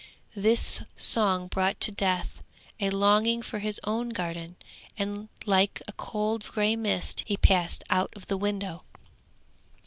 This song brought to Death a longing for his own garden, and, like a cold grey mist, he passed out of the window.